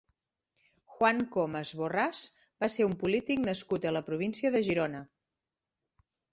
Juan Comas Borrás va ser un polític nascut a la província de Girona.